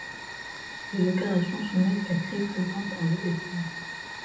Ces opérations soumettent la grille flottante à rude épreuve.